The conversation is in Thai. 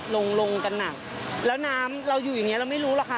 ลงลงกันหนักแล้วน้ำเราอยู่อย่างเงี้เราไม่รู้หรอกค่ะ